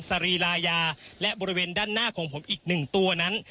สรีลายาและบริเวณด้านหน้าของผมอีกหนึ่งตัวนั้น